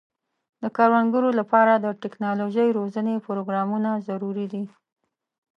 د کروندګرو لپاره د ټکنالوژۍ روزنې پروګرامونه ضروري دي.